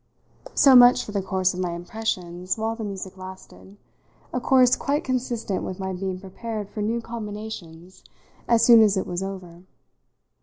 So much for the course of my impressions while the music lasted a course quite consistent with my being prepared for new combinations as soon as it was over.